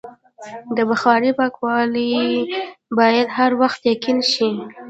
د بخارۍ پاکوالی باید هر وخت یقیني شي.